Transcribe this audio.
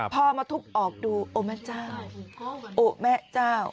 พอมาทุบออกดูโอแม่เจ้าโอแม่เจ้า